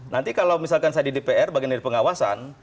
nanti kalau misalkan saya di dpr bagian dari pengawasan